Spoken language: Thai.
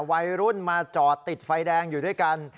วัยรุ่นมาจอดติดไฟแดงอยู่ด้วยกัน